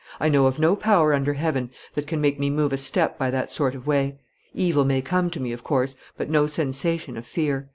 I know of no power under heaven that can make me move a step by that sort of way; evil may come to me, of course, but no sensation of fear.